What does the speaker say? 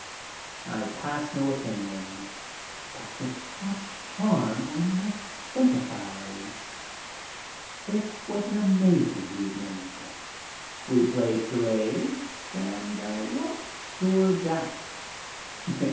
I pass no opinion, but with such charm one must sympathize. It was an amusing evening. We played charades and I watched George act.